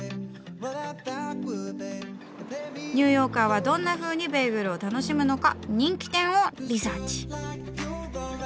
ニューヨーカーはどんなふうにベーグルを楽しむのか人気店をリサーチ。